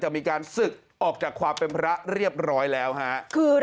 อาวาสมีการฝังมุกอาวาสมีการฝังมุกอาวาสมีการฝังมุกอาวาสมีการฝังมุก